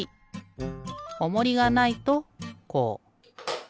おもりがないとこう。